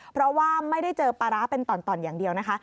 เพราะว่าไม่ได้เจอปลาร้าเป็นต่อนอย่างเดียวนะคะ